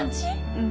うん。